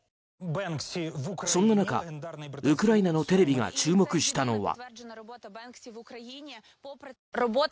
そんな中、ウクライナのテレビが注目したのは。